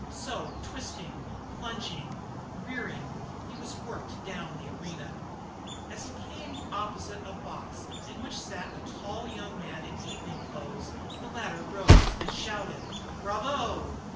So, twisting, plunging, rearing, he was worked down the arena. As he came opposite a box in which sat a tall young man in evening clothes the latter rose and shouted: "Bravo!"